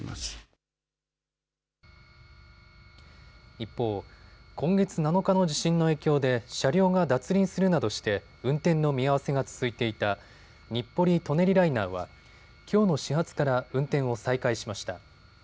一方、今月７日の地震の影響で車両が脱輪するなどして運転の見合わせが続いていた日暮里・舎人ライナーはきょうの始発から運転を再開しました。